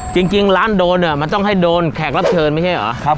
จริงร้านโดนเนี่ยมันต้องให้โดนแขกรับเชิญไม่ใช่เหรอ